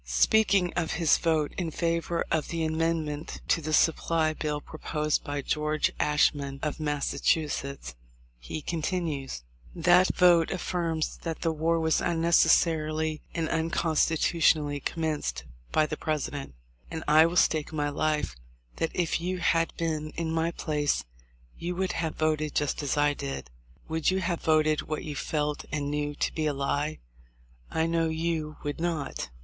Speaking of his vote in favor of the amendment to the supply bill proposed by George Ashmun, of Massachusetts, he continues : "That vote affirms that the war was unnecessarily and unconstitutionally commenced by the Presi dent ; and I will stake my life that if you had been in my place you would have voted just as I did. Would you have voted what you felt and knew to be a lie? I know you would not.